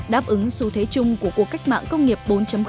đáp ứng xu thế chung của cuộc cách mạng công nghiệp bốn